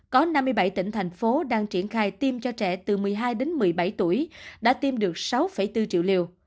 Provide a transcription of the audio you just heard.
có năm mươi bảy tỉnh thành phố đang triển khai tiêm cho trẻ từ một mươi hai đến một mươi bảy tuổi đã tiêm được sáu bốn triệu liều